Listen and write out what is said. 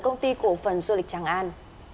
công ty cổ phần du lịch tràng an